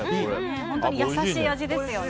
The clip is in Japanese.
本当に優しい味ですよね。